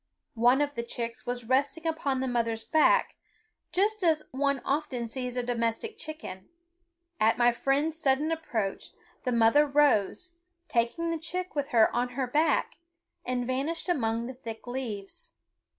One of the chicks was resting upon the mother's back, just as one often sees a domestic chicken. At my friend's sudden approach the mother rose, taking the chick with her on her back, and vanished among the thick leaves.